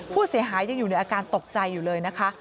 ผู้เสียหายยังอยู่ในอาการตกใจอยู่เลยนะคะ